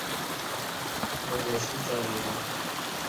বলে সে চলে গেল।